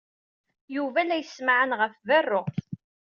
Yuba la d-yessemɛan ɣef berru.